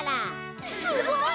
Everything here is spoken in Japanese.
すごい！